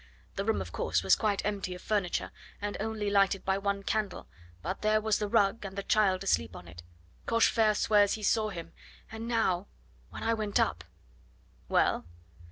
The room, of course, was quite empty of furniture and only lighted by one candle, but there was the rug and the child asleep on it. Cochefer swears he saw him, and now when I went up " "Well?"